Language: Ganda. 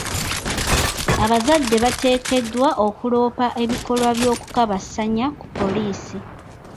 Abazadde bateekeddwa okuloopa ebikolwa by'okukabasanya ku poliisi